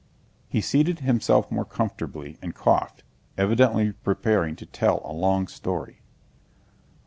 He seated himself more comfortably and coughed, evidently preparing to tell a long story.